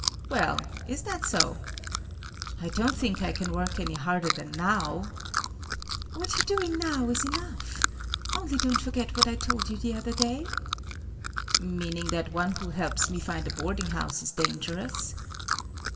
"Well, is that so. I don't think I can work any harder than now……." "What you're doing now is enough. Only don't forget what I told you the other day." "Meaning that one who helps me find a boarding house is dangerous?"